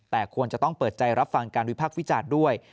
แต่ควรจะต้องเปิดใจรับฟังการวิพักษ์วิจารณ์ด้วย